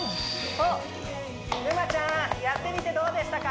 おっ沼ちゃんやってみてどうでしたか？